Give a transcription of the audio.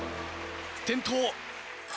転倒。